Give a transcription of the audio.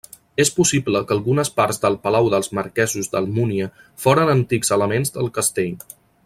És possible que algunes parts del Palau dels Marquesos d'Almunia foren antics elements del castell.